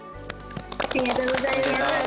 ありがとうございます。